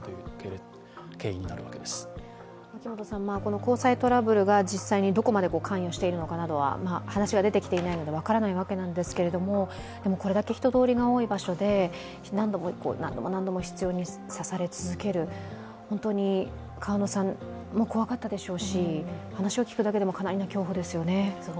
交際トラブルが実際にどこまで関与しているかなどは話は出てきていないので分からないわけですが、これだけ人通りが多い場所で何度も何度も執ように刺され続ける、本当に川野さんも怖かったでしょうし話を聞くだけでもかなりな恐怖ですよね。